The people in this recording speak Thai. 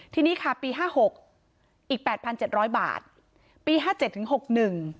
ทีนี้ค่ะปีห้าหกอีกแปดพันเจ็ดร้อยบาทปีห้าเจ็ดถึงหกหนึ่ง